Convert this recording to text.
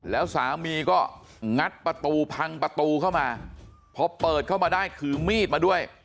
แล้วสามีก็งัดประตูพังประตูเข้ามาพอเปิดเข้ามาได้ถือมีดมาด้วย